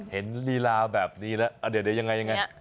ลีลาแบบนี้แล้วเดี๋ยวยังไง